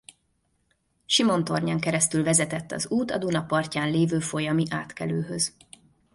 Simontornyán keresztül vezetett az út a Duna partján lévő folyami átkelőhöz.